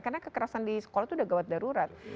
karena kekerasan di sekolah itu sudah gawat darurat